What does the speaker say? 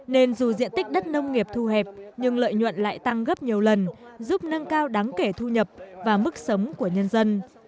nên dù diện tích đất nông nghiệp thu hẹp nhưng lợi nhuận lại tăng gấp nhiều lần giúp nâng cao đáng kể thu nhập và mức sống của nhân dân